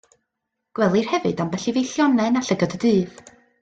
Gwelir hefyd ambell i feillionen a llygad y dydd.